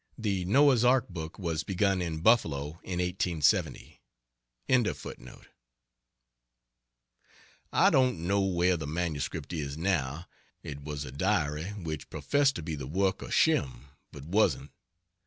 The "Noah's Ark" book was begun in Buffalo in 1870.] I don't know where the manuscript is now. It was a Diary, which professed to be the work of Shem, but wasn't.